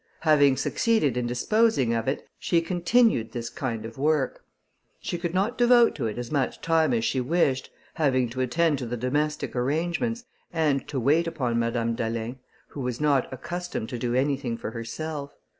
Having succeeded in disposing of it, she continued this kind of work. She could not devote to it as much time as she wished, having to attend to the domestic arrangements, and to wait upon Madame d'Alin, who was not accustomed to do anything for herself.